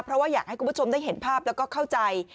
เพราะว่าอยากให้คุณผู้ชมได้เห็นภาพแล้วก็เข้าใจ